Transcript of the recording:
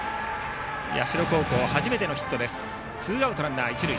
社高校、初めてのヒットツーアウトランナー、一塁。